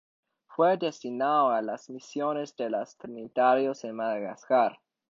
Fue destinado a las misiones de los trinitarios en Madagascar.